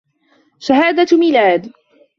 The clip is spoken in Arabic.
شهادة ميلاد